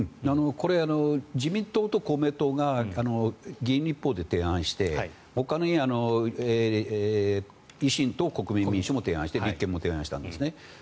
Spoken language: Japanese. これは自民党と公明党が議員立法で提案してほかの維新と国民民主も提案して立憲も提案したんです。